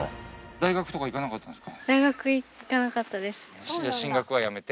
大学とか行かなかったんですか？